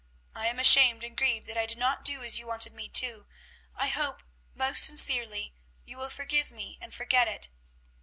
I am ashamed and grieved that I did not do as you wanted me to. I hope most sincerely you will forgive me and forget it.